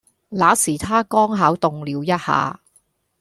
那時她剛巧動了一下